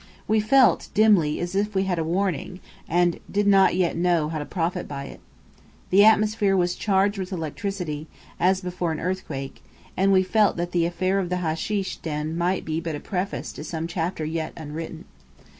We felt, dimly, as if we had had a "warning," and did not yet know how to profit by it. The atmosphere was charged with electricity, as before an earthquake; and we felt that the affair of the hasheesh den might be but a preface to some chapter yet unwritten.